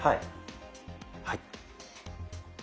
はい。